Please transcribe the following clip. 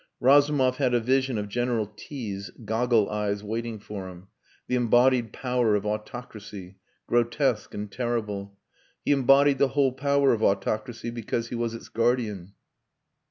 Razumov had a vision of General T 's goggle eyes waiting for him the embodied power of autocracy, grotesque and terrible. He embodied the whole power of autocracy because he was its guardian.